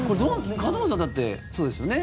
勝俣さん、だってそうですよね？